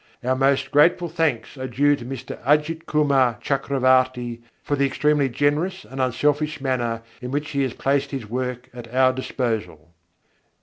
Our most grateful thanks are due to Mr. Ajit Kumar Chakravarty for the extremely generous and unselfish manner in which he has placed his work at our disposal.